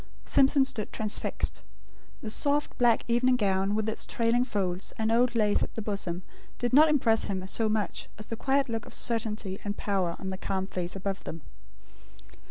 Simpson stood transfixed. The soft black evening gown, with its trailing folds, and old lace at the bosom, did not impress him so much as the quiet look of certainty and power on the calm face above them.